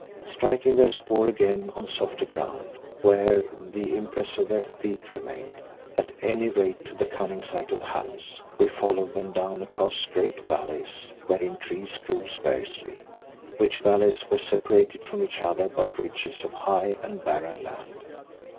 Striking their spoor again on softer ground where the impress of their feet remained—at any rate to the cunning sight of Hans—we followed them down across great valleys wherein trees grew sparsely, which valleys were separated from each other by ridges of high and barren land.